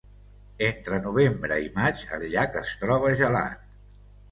Entre novembre i maig el llac es troba gelat.